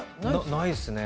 ないですね。